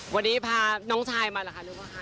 วันนี้พาน้องชายมาแหละคะบรึไง